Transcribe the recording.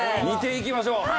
見ていきましょう。